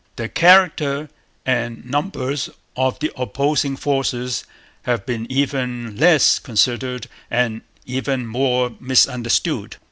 The character and numbers of the opposing forces have been even less considered and even more misunderstood.